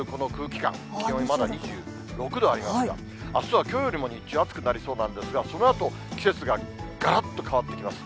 気温まだ２６度ありますが、あすはきょうよりも日中、暑くなりそうなんですが、そのあと、季節ががらっと変わってきます。